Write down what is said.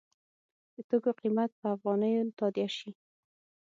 د توکو قیمت په افغانیو تادیه شي.